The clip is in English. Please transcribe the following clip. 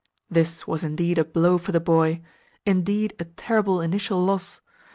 This was indeed a blow for the boy indeed a terrible initial loss!